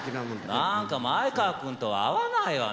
何か前川君とは合わないわね